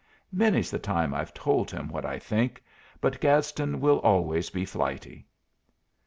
Many's the time I've told him what I think; but Gadsden will always be flighty."